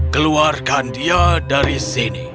keluarkan dia dari sini